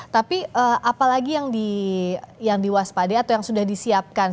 tapi apalagi yang diwaspade atau yang sudah disiapkan